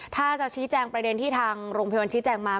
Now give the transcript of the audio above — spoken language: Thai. ถ้าจะชี้แจงประเด็นที่ทางโรงพยาบาลชี้แจงมา